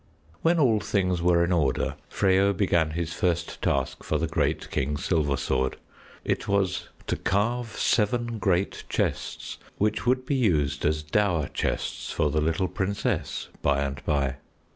When all things were in order, Freyo began his first task for the great King Silversword: it was to carve seven great chests which would be used as dower chests for the little princess by and by.